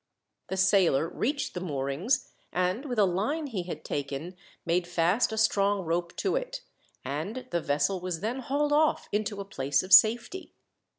The sailor reached the moorings, and, with a line he had taken, made fast a strong rope to it, and the vessel was then hauled off into a place of safety.